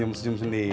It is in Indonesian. ya tapi aku mau makan